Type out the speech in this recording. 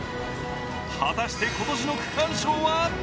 果たして今年の区間賞は？